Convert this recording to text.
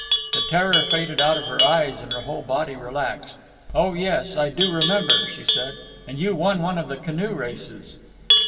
The terror faded out of her eyes and her whole body relaxed. "Oh, yes, I do remember," she said. "And you won one of the canoe races."